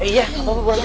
iya apa apa bu ranti